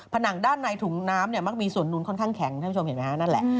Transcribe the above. ผนังด้านในถุงน้ำเนี่ยมักมีส่วนนุนค่อนข้างแข็งท่านผู้ชมเห็นไหมฮะนั่นแหละ